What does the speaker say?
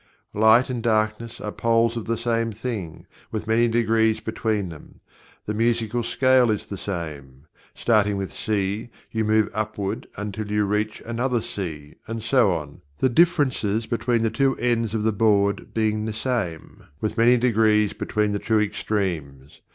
Light and Darkness are poles of the same thing, with many degrees between them. The musical scale is the same starting with "C" you move upward until you reach another "C" and so on, the differences between the two ends of the board being the same, with many degrees between the two extremes.